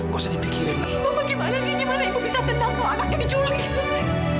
bagaimana sih aku bisa tenang kalau anaknya diculik